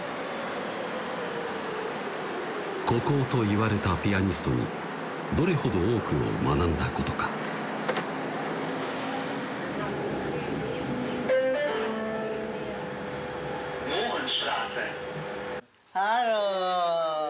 孤高といわれたピアニストにどれほど多くを学んだことかハロー